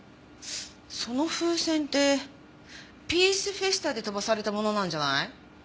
その風船ってピースフェスタで飛ばされたものなんじゃない？